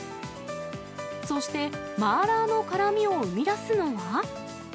そして、麻辣の辛みを生み出すのは。